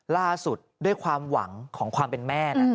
ล่าสุดด้วยความหวังของความเป็นแม่